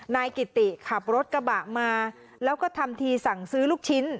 นายกิติขับรถกระบะมาแล้วก็ทำทีสั่งซื้อลูกชิ้น